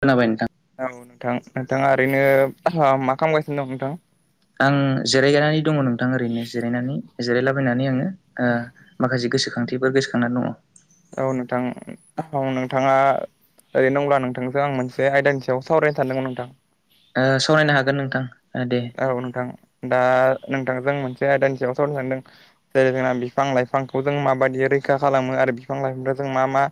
खोनाबाय नोंथां औ नोंथां नोंथाङा ओरैनो मा खालामगासिनो दं नोंथाङा? आं जिरायगायनानै दङ' नोंथां ओरैनो जिरायनानै जिरायलाबायनानै आङो ओ माखासे गोसोखांथिफोर गोसोखांना दङ'। औ नोंथां औ नोंथाङा ओरैनो दंब्ला नोंथांजों आं मोनसे आयदानि सायाव सावरायनो सानदोंमोन नोंथां ओ सावरायनो हागोन नोंथां। ओ दे औ नोथां। दा नोंथांजों मोनसे आयदानि सायाव सरनो सानदों जेरै जोंना बिफां लाइफांखौ जों माबायदि रै रैखा खालामो आरो बिफां लाइफांनो जों मा मा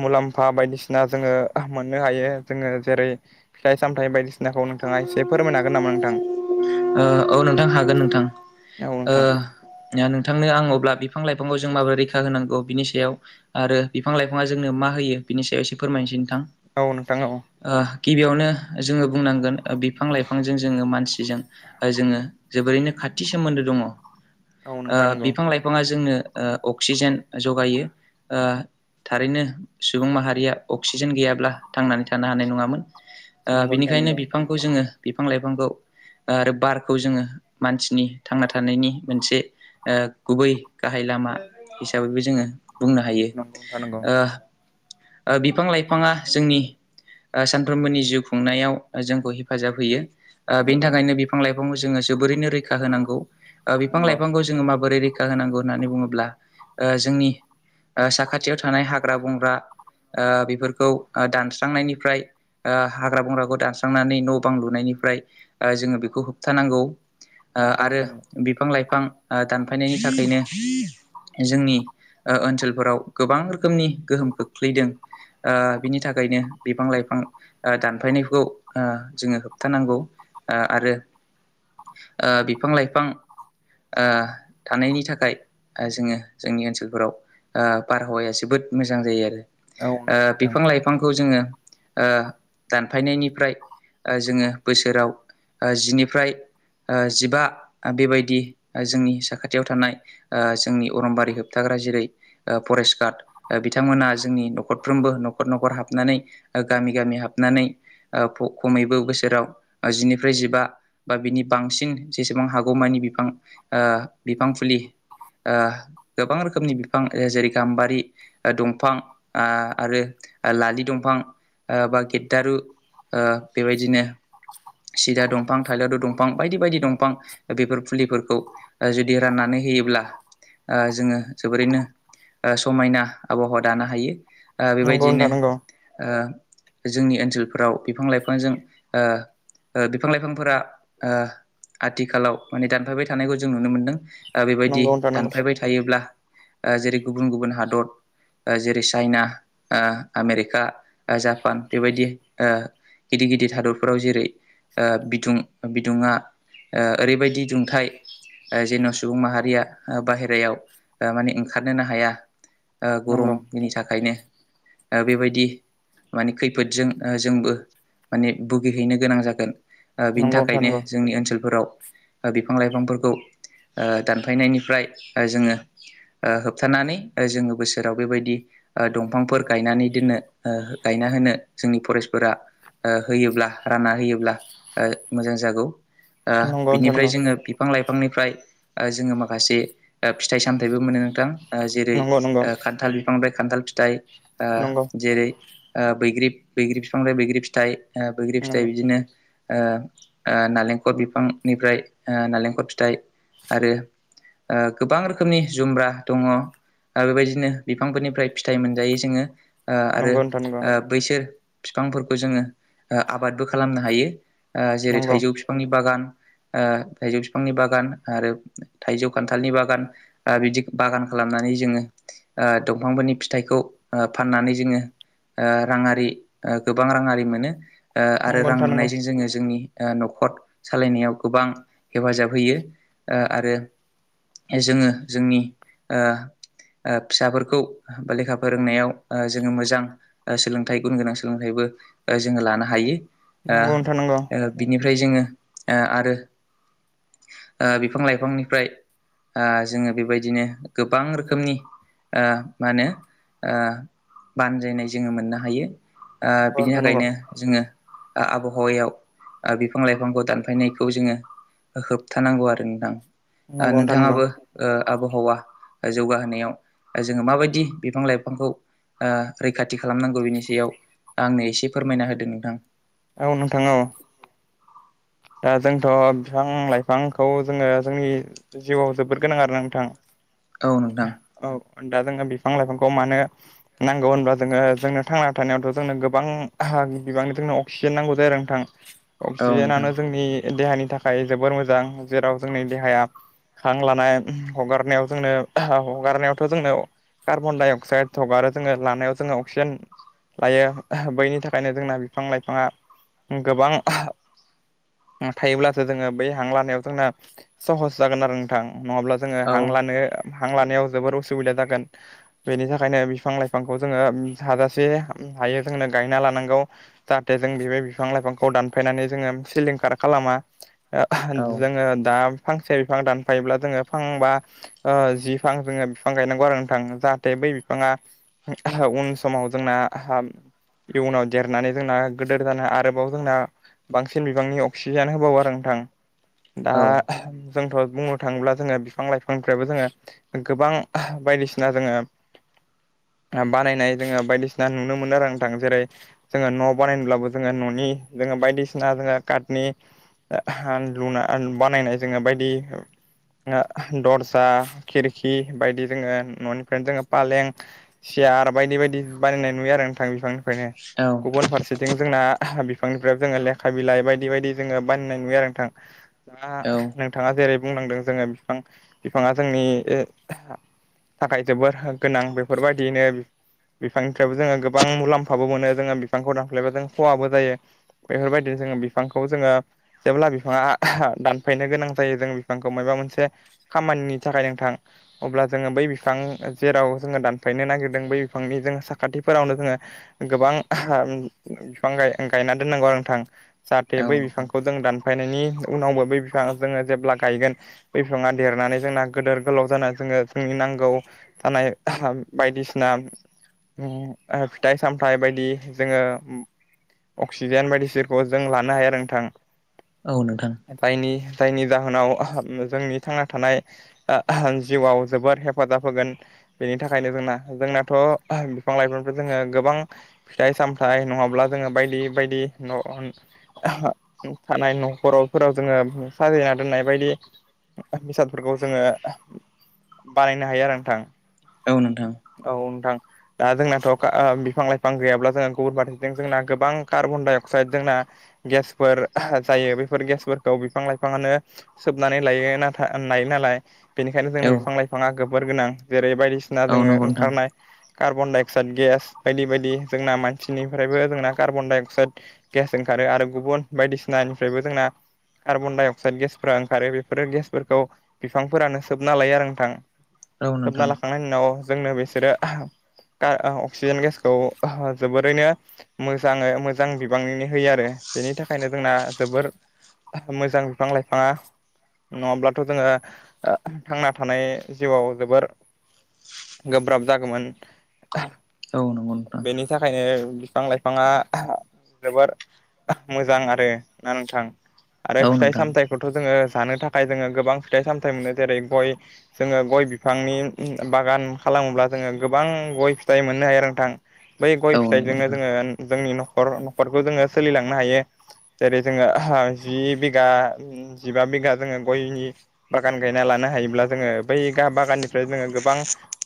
मुलाम्फा बायदिसिना जोङो मोननो हायो जोङो जेरै फिथाइ सामथाइ बायदिसिनाखौ नोंथाङा एसे फोरमायनो हागोन नामा नोंथां? ओ औ नोंथां हागोन नोंथां औ नोंथां ओ नोंथांनो आं अब्ला बिब। बिफां लाइफांखौ जों माबोरै रैखा होनांगौ बिनि सायाव आरो बिफां लाइफाङा जोंनो मा होयो बिनि सायाव इसे फोरमायनोसै। नोंथां औ नोंथां औ। ओ गिबियावनो जोङो बुंनांगोन ओ बिफां लाइफांजों जोङो मानसिजों। ओ जोङो जोबोरैनो खाथि सोमोन्दो दङ ओ औ नोंथां नंगौ बिफां लाइफाङा जोंनो। ओ अक्सिजेन जगायो ओ। थारैनो सुबुं माहारिया अक्सिजेन गैयाब्ला थांनानै थानो हानाय नङामोन। ओ नंगौ नोंथां बिनिखायनो नंगौ बिफांखौ जोङो बिफां लाइफांखौ। आरो बारखौ जोङो मानसिनि थांना थानायनि मोनसे। ओ गुबै गाहाय लामा हिसाबैबो जोङो। बुंनो हायो नंगौ नोंथां नंगौ ओ ओ बिफां लाइफाङा जोंनि। ओ सानफ्रोमबोनि जिउ खुंनायाव जोंखौ हेफाजाब होयो। ओ बेनि थाखायनो नंगौ बिफां लाइफांखौ जोङो जोबोरैनो रैखा होनांगौ ओ बिफां नंगौ लाइफांखौ जोङो माबोरैै रै। खो होनांगौ होननानै बुङोब्ला ओ जोंनि ओ साखाथियाव थानाय हाग्रा बंग्रा। ओ बेफोरखौ दानस्रांनायनिफ्राय। ओ हाग्रा बंग्राखौ दानस्रांनानै न' बां लुनायनिफ्राय जोङो ओ बेग। खौ होबथानांगौ ओ नंगौ आरो नोंथां नंगौ बिफां लाइफां। ओ दानफायनायनि थाखैनो। जोंनि ओ ओनसोलफोराव गोबां रोखोमनि गोहोम खोख्लैदों। ओ बिनि थाखायनो बिफां लाइफां दानफायनायखौ ओ जोङो होबथानांगौ। ओ आरो बिफां लाइफां। ओ थानायनि थाखाय जोङो जोंनि ओनसोलफोराव। ओ बारहावाया जोबोद मोजां जायो आरो औ नंगौ बिफां लाइफांखौ जोङो। ओ दानफायनायनिफ्राय जोङो बोसोराव जिनि। फ्राय। ओ जिबा बेबायदि जोंनि साखाथियाव थानाय ओ जोंनि अरनबारि होबथाग्रा। जेरै ओ फरेस्ट गार्ड बिथांमोना जोंनि न'खरफ्रोमबो न'खर न'खर हाबनानै ओ। गामि गामि हाबनानै ओ खमैबो बोसोराव जिनिफ्राय जिबा। बा बिनि बांसिन जेसेबां हागौमानि बिफां ओ बिफां फुलि। ओ गोबां रोखोमनि बिफां जेरै गाम्बारि ओ दंफां ओ आरो। लादि दंफां ओ बा गेद्दारु ओ बेबायदिनो। सिदा दंफां। थाइलारु दंफां बायदि बायदि दंफां बेफोर फुलिफोरखौ जुदि राननानै होयोब्ला। ओ जोङो जोबोरैनो समायना आबहावा दानो हायो। ओ नोंथां बेबायदियैनो नंगौ ओ। जोंनि ओनसोलफोराव बिफां लाइफांजों ओ बिफां लाइफांफोरा ओ आथिखालाव माने दानफायबाय थानायखौ जों नुनो मोनदों। ओ बेबायदि नोंथां नंगौ दानफायबाय थायोब्ला जेरै गुबुन गुबुन हादर। ओ जेरै चाइना आमेरिका जापान बेबायदि ओ। गिदिर गिदिर हादरफोराव जेरै ओ बिदुं बिदुङा। ओ ओरैबायदि दुंथाय। ओ जेन' सुबुं माहारिया ओ बाहेरायाव ओ माने ओंखारनोनो हाया। ओ नंगौ गरमनि थाखायनो ओ बेबायदि। माने खैफोदजों ओ जोंबो माने बुगिहैनो गोनां जागोन। ओ बिनि नोंथां थाखायनो नंगौ जोंनि ओनसोलफोराव ओ बिफां लाइफांफोरखौ। ओ दानफायनायनिफ्राय जोङो ओ होबथानानै जोङो बोसोराव बेबायदि ओ दंफांफोर गायनानै दोननो ओ गायना होनो जोंनि फरेस्टफोरा। ओ होयोब्ला रानना होयोब्ला ओ। मोजां जागौ ओ नंगौ नंगौ नोंथां बिनिफ्राय जोङो बिफां लाइफ। फांनिफ्राय ओ जोङो माखासे ओ फिथाइ सामथाइबो मोनो नोंथां। ओ जेरै नंगौ नंगौ ओ नोंथां खान्थाल बिफांनिफ्राय खान्थाल फिथाइ ओ नंगौ जेरै ओ बैग्रि बैग्रि बिफां बैग्रि फिथाइ ओ बैग्रि फिथाइ बिदिनो ओ ओ नालेंखर बिफांनिफ्राय नालेंखर फिथाइ आरो ओ गोबां रोखोमनि जुम्ब्रा दङ ओ बेबायदिनो बिफांफोरनिफ्राय फिथाइ मोनजायो जोङो ओ आरो नंगौ नंगौ ओ बैसोर बिफांफोरखौ जोङो आबादबो खालामनो हायो ओ जेरै थाइजौ बिफांनि बागान थाइजौ बिफांनि बागान आरो थाइजौ खान्थालनि बागान बिदि बागान खालामनानै जोङो ओ दंफांफोरनि फिथाइखौ ओ फाननानै जोङो राङारि गोबां राङारि मोनो आरो नंगौ रां नोंथां नंगौ मोननायजों जोङो जोंनि न'खर सालायनायाव गोबां हेफाजाब होयो ओ आरो जोङो जोंनि ओ ओ फिसाफोरखौ बालेखा फोरोंनायाव जोङो मोजां सोलोंथाइ गुन गोनां सोलोंथाइबो बो जों लानो हायो ओ नंगौ नोंथां नंगौ बिनिफ्राय जोङो ओ आरो बिफां लाइफांनिफ्राय ओ जोङो बेबायदिनो गोबां रोखोमनि ओ मा होनो ओ बानजायनाय जोङो मोननो हायो ओ नंगौ नोंथां नंगौ बिनि नोंथां नंगौ थाखायनो जोङो आबहावायाव बिफां लाइफांखौ दानफायनायखौ जोङो होबथानांगौ आरो नोंथां ओ नंगौ नोंथां नंगौ नोंथाङाबो ओ आबहावा जौगाहोनायाव जोङो माबायदि बिफां लाइफांखौ ओ रैखाथि खालामनांगौ बिनि सायाव आंनो एसे फोरमायना होदों नोंथां औ नोंथां औ दा जोंथ' बिफां लाइफांखौ जोङो जोंनि जिउआव जोबोर गोनां आरोना नोंथां औ नोंथां औ दा जोङो बिफां लाइफांखौ मानो नांगौ होनबा जोङो जोंनो थांना थानायावथ' जोंनो गोबां बिबांनिनो अक्सिजेन नांगौ जायो आरो नोंथां औ नोंथां अक्सिजेनानो जोंनि देहानि थाखाय जोबोर मोजां जेराव जोंनि देहाया हां लानाय हगारनायाव जोंनो हगारनायावथ' जोंनो कार्बन डाइ अक्साइद हगारो जोङो लानायाव जोङो अक्सिजेन लायो बैनि थाखायनो जोंना बिफां लाइफाङा गोबां थायोब्लासो जोङो बै हां लानायाव जोंना सहस जागोन आरो नोंथां। नङाब्ला जोङो औ हां लानो हां लानायाव जोबोर उसुबिदा सुबिदा जागोन बेनि थाखायनो बिफां लाइफांखौ जोङो हाजासे हायो जोंनो गायना ला जाहाथे जों बिफां लाइफांखौ दानायनानै जों खार खालामा ओ औ जोङो दा फांसे बिफां दानफायोब्ला जोङो फां बा ओ जि फां जोङो बिफां गायनांगौ आरो नोंथां जाहाथे बिफाङा उन समाव जोंना इयुनाव देरनानै जोंना गोदोर जान आरोबाव जोंना बांसिन बिबांनि अक्सिजेन अक्सिजेन होबावो आरो नोंथां दा जोंथ' बुंनो थाङोब्ला जोङो बिफां लाइफांफ्राबो जोङो गोबां बायदिसिना जोङो [inaudible] बानायनाय जोङो बायदिसिना नुनो मोनो आरो नोंथां जेरै जोङो न' बानायनोब्लाबो जोङो न'नि बायदिसिना जोङो कारटनि लुना बानायनाय जोङो बायदि दर्जा खिरखि बायदि जोङो न'निफ्रायनो जोङो फालें सियार बायदि बायदि बानायनाय नुयो आरो नोंथां बिफां बेखायनो औ गुबुन फारसेथिं जोंना बिफांनिफ्राय जोङो लेखा बिलाइ बायदि बदि बायदि जोङो बानायनाय नुयो आरो ओ नोंथां दा नोंथाङा जेरै बुंनांदों जोङो बिफां बिफाङा जोंनि थाखाय जोबोर गोनां बेफोरबायदियैनो बिफांनिफ्रायबो जोङो गोबां मुलामफाबो मोनो जोङो बिफांखौ दानफ्लायबा जों खहाबो जायो ओ बेफोरबायदिनो जोङो बिफांखौ जोङो जेब्ला बिफाङा दानफायनो गोनां जायो जों बिफांखौ मेबा मोनसे खामानि नि थाखाय नोंथां अब्ला जोङो बै बिफां जेराव जोङो दानफायनो नागिरदों बै बिफांनि जोङो साखाथिफोरावनो जोङो ओ गोबां बिफां गायना दोननांगौ आरो नोंथां। जाहाथे बै बिफांखौ जों दानफायनायनि उनावबो बै बिफाङा जोङो जेब्ला गायगोन बै बिफाङा देरनानै जोंना गोदोर गोलाव जा जोङो जोंनि नांगौ थानाय बायदिसिना ओम फिथाइ सामथाइ बायदि जोङो अक्सिजेन बायदिसिनाखौ जों लानो हाया आरो नोंथां औ नोंथां जायनि जायनि जाहोनाव जोंनि थांना थानाय जिउयाव जोबोर हेफाजाब होगोन। बेनि थाखायनो जोंना जोंनाथ' बिफां लाइफांखौ जोङो गोबां फिथाइ सामथायाइ नङाब्ला ब्ला जोङो बायदि बायदि न' अ थानाय न'खरावफोराव जोङो साजायना दोननाय बायदि बेसादफोरखौ जोङो बानायनो हायो आरो नोंथां। औ नोंथां औ नोंथां दा जोंनाथ' बिफां लाइफां गैयाब्ला जोंहा गुबुन बारसेथिं जोंना गोबां कार्बन डाइ अक्साइड जोंना गेसफोर जायो बेफोर गेसफोरखौ बिफां लाइफाङानो सोबनानै लायो नाथाय लायो नालाय बेनिखायनो औ जोंनो बिफां लाइफाङा जोबोर गोनां जेरै बायदिसिना जोङो नोंथां ओंखारनाय कार्बन डाइ अक्साइद गेस बायदि बायदि जोंना मानसिनिफ्रायबो जोंना कार्बन डाइ अक्साइद गेस जों ओंखारो आरो गुबुन बायदिसिनानिफ्रायबो जोंना कार्बन दडाइ अक्साइद गेसफोरा ओंखारो बेफोर गेसफोरखौ बिफांफोरानो सोबना लायो आरो नोंथां। औ सोबना लाखांनायनि उनाव जोंनो बिसोरो अक्सिजेन गेसखौ जोबोरैनो मोजाङै मोजां बिबांनि होयो आरो बेनि थाखायनो जोंना जोबोर मोजां बिफां लाइफाङा नङाब्लाथ' जोङो थांना थानाय जिउआव जोबोर गोब्राब जागौमोन। औ नंगौ नोंथां बेनि थाखायनो बिफां लाइफाङा जोबोर मोजां आरो ना नोंथां औ आरो नोंथां औ नंगौ नोंथां औ फिथाइ नोंथां सामथायाइखौथ' जोङो जानो थाखाय जोङो गोबां फिथाइ सामथायाइ मोनो जेरै गय जोङो गय बिफांनि बागान खालामोब्ला जोङो गोबां गय फिथाइ मोननो हायो नोंथां बै गय औ फि नंगौ फिथाइजोंनो नोंथां जोङो जोंनि न'खर न'खरखौ जोङो सोलिलांनो हायो जेरै जोङो जि बिगा जिबा बिगा जोङो गयनि बागान गायना लानो हायोब्ला जोङो बै गा बागाननिफ्राय जोङो गोबां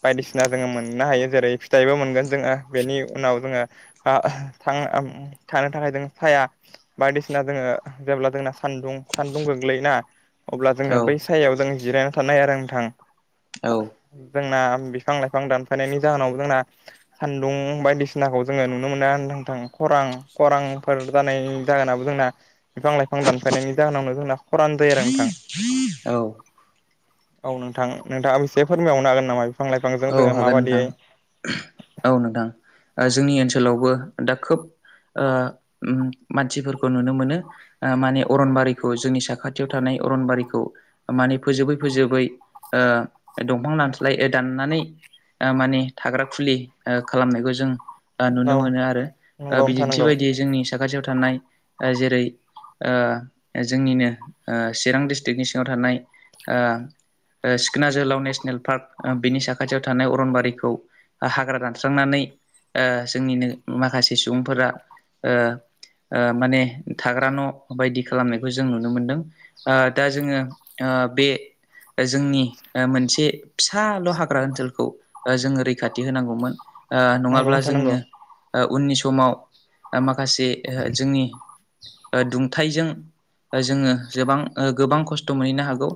बायदिसिना जोङो मोननो ना? हायो जेरै फिथाइबो मोनगोन जोङो बेनि उनाव जोङो थाखाय जों साया बायदिसिना जोङो जेब्ला जोंना सानदुं सानदुं गोग्लैयोना। अब्ला जोङो औ बै सायायाव जों जिरायना थानो हायो आरो नोंथां। औ जोंना बिफां लाइफां दानफायनायनि जाहोनाव जोंना सानदुं बायदिसिनाखौ जोङो नुनो मोनो आरो नोंथां खरां खरांफोर जानायनि जाहोनाबो जोंना बिफां लाइफां दानफायनायनि जाहोनावनो जोंना खरान जायो आरो नोंथां। औ औ नोंथां नोंथाङा एसे फोरमायहनो हागोन नामा बिफां लाइ फांजों औ जोङो हागोन नोंथां माबायदियै औ नोंथां जोंनि ओनसोलावबो दा खोब ओ मानसिफोरखौ नुनो मोनो माने अरनबारिखौ जोंनि साखाथियाव थानाय अरनबारिखौ माने फोजोबै फोजोबै ओ दंफां दानस्लाय दाननानै मानि थाग्राखुलि खालामनायखौ जों नुनो औ मोनो आरो नंगौ नोंथां बिदिनथि नंगौ बायदियै जोंनि साखाथियाव थानाय जेरै ओ जोंनिनो चिरां डिस्ट्रिक्नि सिङाव थानाय ओ सिखोना जोहोलाव नेसनेल पार्क बिनि साखाथियाव थानाय अरनबारिखौ हाग्रा दान स्रांनानै जोंनिनो माखासे सुबुंफोरा ओ माने थाग्रा न' बायदि खालामनायखौ जों नुनो मोनदों दा जोङो बे जोंनि मोनसे फिसाल' हाग्रा ओनसोलखौ जोङो रैखाथि होनांगौमोन। नंगौ नङाब्ला नोंथां नंगौ जोङो उननि समाव माखासे जोंनि दुंथाइजों जोङो गोबां गोबां खस्थ' मोनहैनो हागौ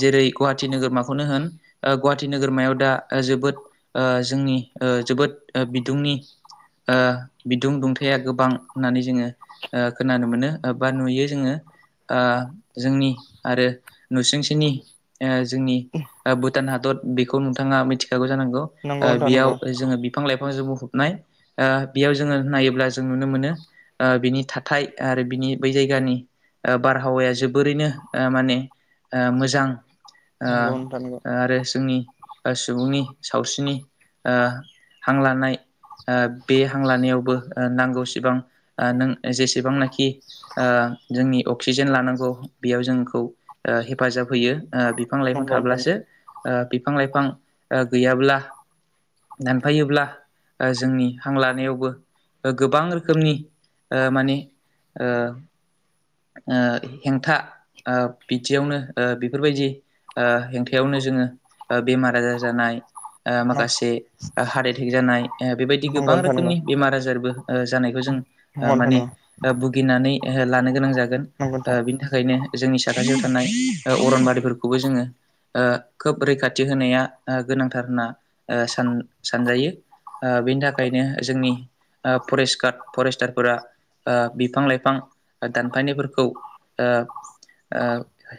जेरै गुवाहाटि नोगोरमाखौनो होन। गुवाहाटि नोगोरमायाव दा जोबोद जोंनि जोबोद बिदुंनि बिदुं दुंथाया गोबां होननानै जोङो खोनानो मोनो बा नुयो जोङो। जोंनि आरो नुसुंसेनि जोंनि भुटान हादर बेखौ नोंथाङा मिथिखागौ जानांगौ नंगौ नोंथां बेयाव नंगौ जोङो बिफां लाइफांजों बुंफनाय बेयाव जोङो नायोब्ला जों नुनो मोनो। ओ बिनि थाथाय आरो बिनि बै जायगानि ओ बारहावाया जोबोरैनो ओ माने ओ मोजां। नंगौ नोंथां नंगौ आरो जोंनि सुबुंनि सावस्रिनि हां लानाय बे हां लानायावबो नांगौसिबां नों जेसेबांनाखि जोंनि अक्सिजेन लानांगौ बेयाव जोंखौ हेफाजाब होयो। बिफां लाइफां नंगौ नोंथां थाब्लासो बिफां लाइफां गैयाब्ला दानफायोब्ला जोंनि हां लानायावबो गोबां रोखोमनि माने ओ हेंथा बिदियावनो बेफोरबायदि हेंथायावनो जोङो बेमार आजार जानाय नंगौ माखासे हार्ट एटेक जानाय बेबायदि नंगौ गोबां नोंथां नंगौ रोखोमनि बेमार आजारबो जानायखौ जों नंगौ नोंथां माने ओ भुगिनानै ओहो लानो गोनां जागोन नंगौ नोंथां ओ बिनि थाखायनो जोंनि साखाथियाव थानाय ओ अरनबारिफोरखौबो जोङो ओ खोब रैखाथि होनाया ओ गोनांथार होनना सान जायो आ बिनि थाखायनो जोंनि ओ फरेस्ट गार्ड फरेस्टारफोरा ओ बिफां लाइफां ओ दानफायनायफोरखौ ओ ओ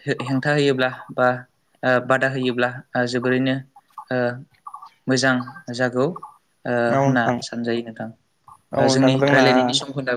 हे-हेंथा होयोब्ला बा ओ बादा होयोब्ला आ जोबोरैनो ओ मोजां। ओ जागौ ओ औ होनना नोंथां सानजायो नोंथां। औ ओ नोंथां जोंनि जोंना रायलायनायनि सम खोन्दा